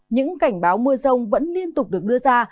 những cảnh báo mưa rông vẫn liên tục được đưa ra